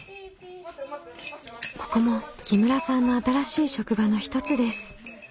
ここも木村さんの新しい職場の一つです。